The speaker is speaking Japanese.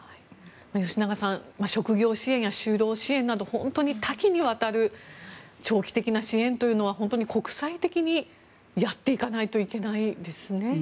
吉永さん職業支援や就労支援など本当に多岐にわたる長期的な支援というのは本当に国際的にやっていかないといけないですね。